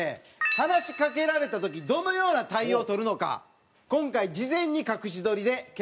話しかけられた時どのような対応を取るのか今回事前に隠し撮りで検証してみました。